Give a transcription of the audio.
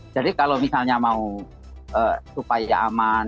jadi kalau misalnya mau upaya aman